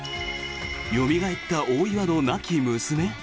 よみがえった大岩の亡き娘！？